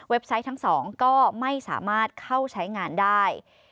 ไซต์ทั้งสองก็ไม่สามารถเข้าใช้งานได้